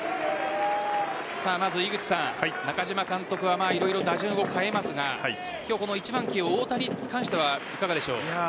まず井口さん、中嶋監督は色々、打順を変えますがこの１番起用、太田に関してはいかがでしょう？